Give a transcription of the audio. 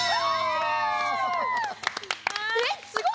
えっすごいよ！